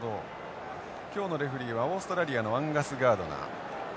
今日のレフリーはオーストラリアのアンガスガードナー。